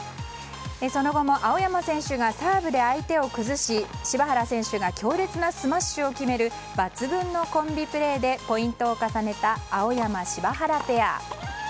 その後も青山選手がサーブで相手を崩し柴原選手が強烈なスマッシュを決める抜群のコンビプレーでポイントを重ねた青山、柴原ペア。